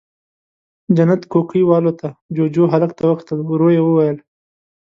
جنت کوکۍ والوته، جُوجُو، هلک ته وکتل، ورو يې وويل: